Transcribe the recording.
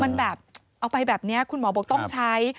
มันแบบเอาไปแบบนี้คุณหมอบอกต้องใช้